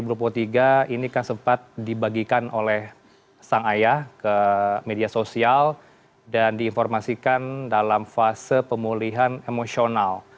pada postingan tujuh maret dua ribu dua puluh tiga ini kan sempat dibagikan oleh sang ayah ke media sosial dan diinformasikan dalam fase pemulihan emosional